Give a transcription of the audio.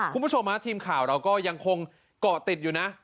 คุณผู้ชมฮะทีมข่าวเราก็ยังคงเกาะติดอยู่นะ